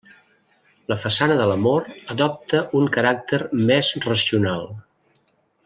La façana de l'Amor adopta un caràcter més racional.